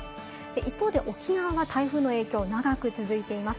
一方で沖縄は台風の影響、長く続いています。